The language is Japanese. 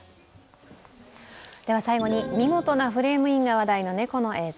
最後に、見事なフレームインが話題の猫の映像。